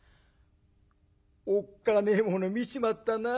「おっかねえもの見ちまったな。